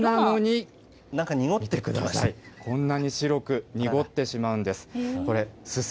見てください、こんなに白く濁ってしまうんです。